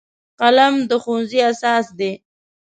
قلم د ښوونځي اساس دی